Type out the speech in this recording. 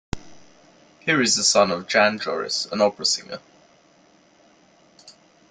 He is the son of Jan Joris, an opera singer.